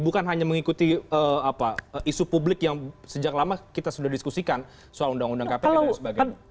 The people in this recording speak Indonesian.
bukan hanya mengikuti isu publik yang sejak lama kita sudah diskusikan soal undang undang kpk dan sebagainya